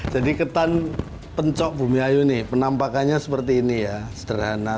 jadi ketan penco bumi ayu ini penampakannya seperti ini ya sederhana